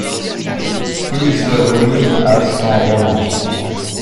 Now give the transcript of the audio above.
Il se remit à son roman.